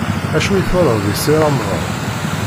Acu i twalaḍ deg Si Remḍan?